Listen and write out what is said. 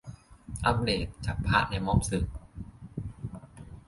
อัพเดต "จับพระในม็อบสึก"